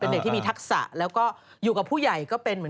เป็นเด็กที่มีทักษะแล้วก็อยู่กับผู้ใหญ่ก็เป็น